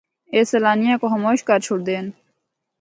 اے سیلانیاں کو خاموش کر چُھڑدے ہن۔